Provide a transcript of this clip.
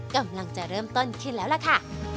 กำลังจะเริ่มต้นขึ้นแล้วล่ะค่ะ